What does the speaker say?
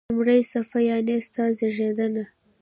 لومړی صفحه: یعنی ستا زیږېدنه.